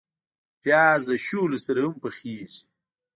پیاز له شولو سره هم پخیږي